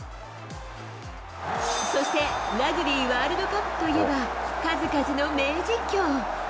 そして、ラグビーワールドカップといえば、数々の名実況。